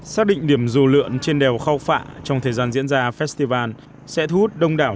xác định điểm dù lượn trên đèo khao phạ trong thời gian diễn ra festival sẽ thu hút đông đảo